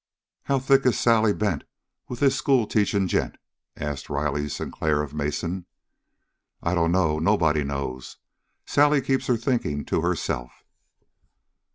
"How thick is Sally Bent with this schoolteaching gent?" asked Riley Sinclair of Mason. "I dunno. Nobody knows. Sally keeps her thinking to herself."